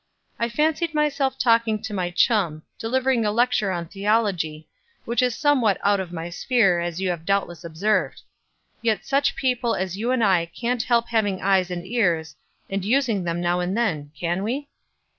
I fancied myself talking to my chum, delivering a lecture on theology, which is somewhat out of my sphere, as you have doubtless observed. Yet such people as you and I can't help having eyes and ears, and using them now and then, can we?"